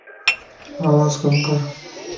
آواز ڪَم ڪر